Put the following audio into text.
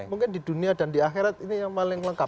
mungkin di dunia dan di akhirat ini yang paling lengkap